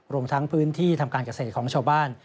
รวมทั้งพื้นที่ทำการเกษตรของชาวบ้าน